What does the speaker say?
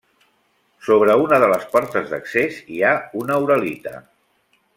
Sobre una de les portes d'accés hi ha una uralita.